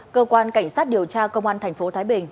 cơ quan cảnh sát điều tra công an thành phố thái bình